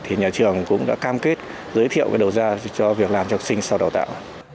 thì nhà trường cũng đã cam kết giới thiệu cái đầu ra cho việc làm cho học sinh sau đào tạo